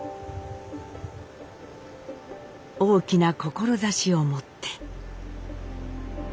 大きな志を持って。